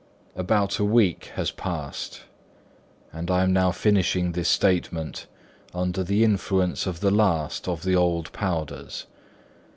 About a week has passed, and I am now finishing this statement under the influence of the last of the old powders.